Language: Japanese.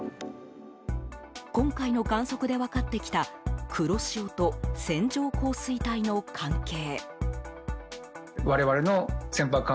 今回の観測で分かってきた黒潮と線状降水帯の関係。